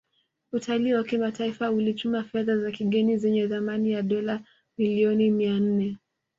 Utalii wa kimataifa ulichuma fedha za kigeni zenye thamani ya Dola bilioni mia nne